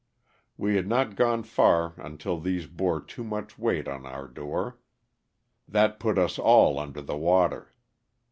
We had not gone far until these bore too much weight on our door; that put us all under the water.